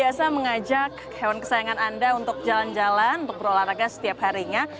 jika sudah terbiasa mengajak hewan kesayangan anda untuk jalan jalan untuk berolahraga setiap harinya